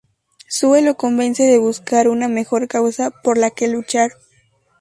Sue lo convence de buscar una mejor causa por la que luchar.